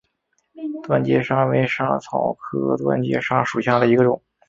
断节莎为莎草科断节莎属下的一个种。